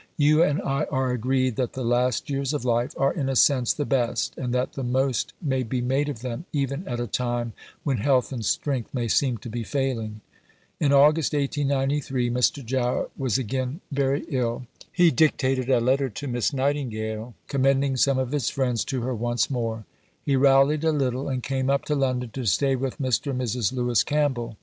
You and I are agreed that the last years of life are in a sense the best, and that the most may be made of them even at a time when health and strength may seem to be failing." In August 1893 Mr. Jowett was again very ill. He dictated a letter to Miss Nightingale, commending some of his friends to her once more. He rallied a little and came up to London to stay with Mr. and Mrs. Lewis Campbell.